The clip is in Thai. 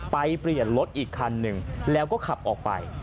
เปลี่ยนรถอีกคันหนึ่งแล้วก็ขับออกไป